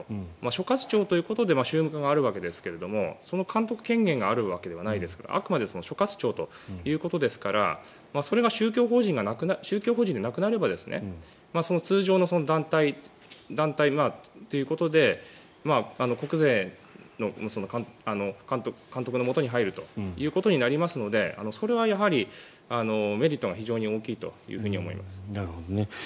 所轄庁ということで宗務課があるわけですがその監督権限があるわけではないですのであくまで所轄庁ということですからそれが宗教法人でなくなればその通常の団体ということで国税の監督のもとに入るということになりますのでそれはやはりメリットが非常に大きいと思います。